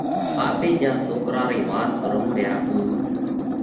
آپي جيا سوڪرا رئِي وات ڪرونه ريا اُو